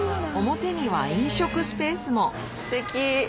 表には飲食スペースもステキ。